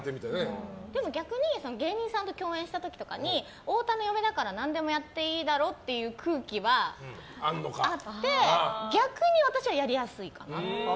でも逆に芸人さんと共演した時とかに太田の嫁だから何でもやっていいだろうという空気はあって逆に私はやりやすいかな。